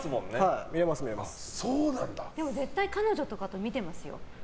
絶対、彼女とかと見てますよ。